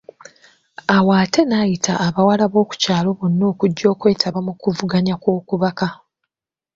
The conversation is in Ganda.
Awo ate n'ayita abawala b'okukyalo bonna okujja okwetaba mu kuvuganya okw'okubuuka.